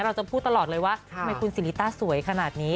เราจะพูดตลอดเลยว่าทำไมคุณสิริต้าสวยขนาดนี้